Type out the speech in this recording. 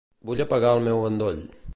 Vull apagar el meu endoll.